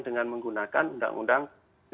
dengan menggunakan undang undang